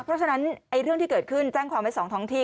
เพราะฉะนั้นเรื่องที่เกิดขึ้นแจ้งความไว้๒ท้องที่